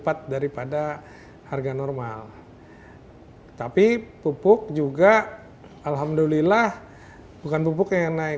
ada pelancongan mina colombia moment aqua juga beruntung yang sudah ter sat hani